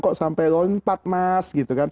kok sampai lompat mas